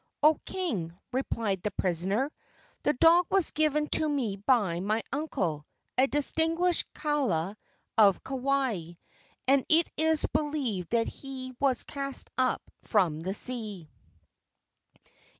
"O king!" replied the prisoner, "the dog was given to me by my uncle, a distinguished kaula of Kauai, and it is believed that he was cast up from the sea."